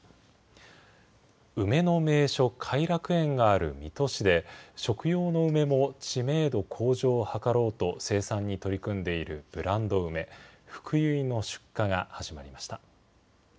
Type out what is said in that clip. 梅の名所、偕楽園がある水戸市で、食用の梅も知名度向上を図ろうと生産に取り組んでいるブランド梅、ふくゆいの出荷が始まりました。